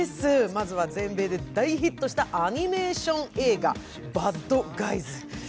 まずは全米で大ヒットしたアニメーション映画、「バッドガイズ」。